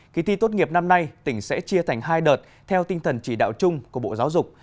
kỳ thi tốt nghiệp năm nay tỉnh sẽ chia thành hai đợt theo tinh thần chỉ đạo chung của bộ giáo dục